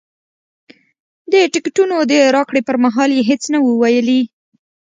د ټکټونو د راکړې پر مهال یې هېڅ نه وو ویلي.